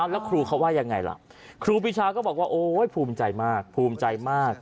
แล้วครูเขาว่ายังไงล่ะครูปีชาก็บอกว่าโอ๊ยภูมิใจมากภูมิใจมาก